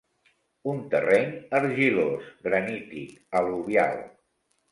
Un terreny argilós, granític, al·luvial.